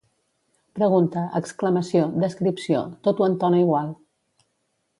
Pregunta, exclamació, descripció, tot ho entona igual